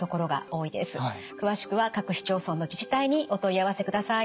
詳しくは各市町村の自治体にお問い合わせください。